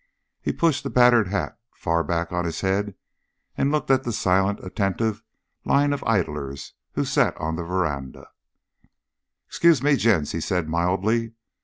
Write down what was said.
He pushed the battered hat far back on his head and looked at the silent, attentive line of idlers who sat on the veranda. "Excuse me, gents," he said mildly.